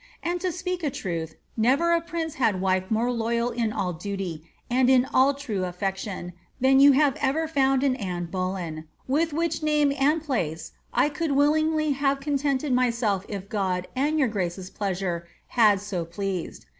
And to speak a truth, never a prince had wife more loyal in all duty, and in all true affection, than you have ever found in Anna Bolen, — ^with which name and place I could willingly have contented myself if God and yonr grace's pleasure had so pleased.